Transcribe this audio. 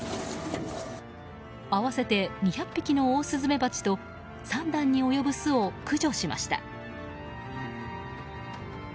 合わせて２００匹のオオスズメバチと３段に及ぶ巣を駆除しました。